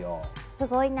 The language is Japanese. すごいな。